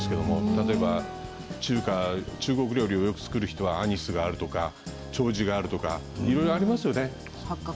例えば中国料理をよく作る人はちょうじがあるとかいろいろありますよね。